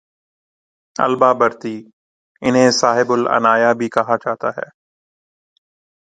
البابرتی انہیں صاحب العنایہ بھی کہا جاتا ہے